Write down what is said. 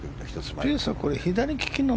スピースは左利きなの？